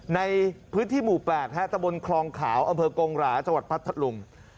ในพื้นที่หมู่๘ตะบนคลองขาวอำเภอกงหราจังหวัดพัทธลุง